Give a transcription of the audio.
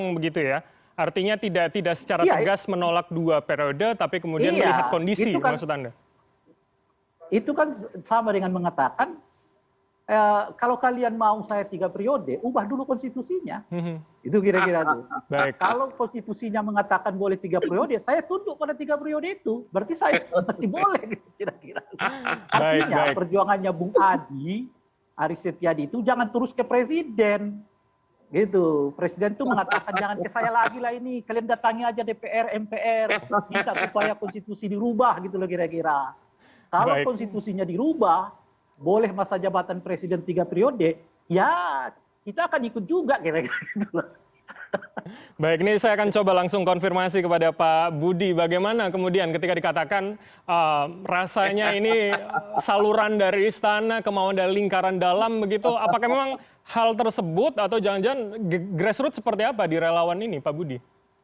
grassroots seperti apa di relawan ini pak budi